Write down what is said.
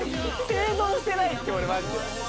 生存してないって俺マジで。